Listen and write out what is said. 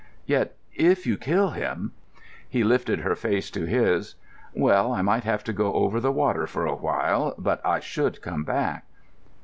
"Yet, if you kill him——" He lifted her face to his. "Well, I might have to go over the water for a while. But I should come back."